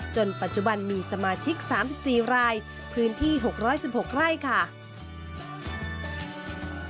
จนปัจจุบันมีสมาชิก๓๔รายพื้นที่๖๑๖ไร่ค่ะ